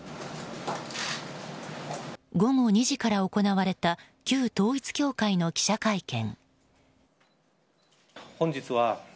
午後２時から行われた旧統一教会の記者会見。